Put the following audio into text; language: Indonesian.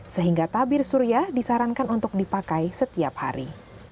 sehingga tabir surya disarankan untuk dipakai setiap hari